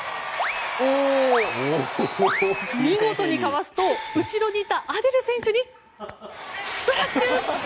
見事にかわすと後ろにいたアデル選手にスプラッシュ！